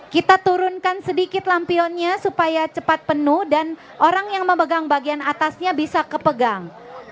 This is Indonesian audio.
kita turunkan sedikit lampionnya supaya cepat penuh dan orang yang memegang bagian atasnya bisa kepegang